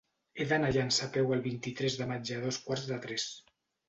He d'anar a Llançà a peu el vint-i-tres de maig a dos quarts de tres.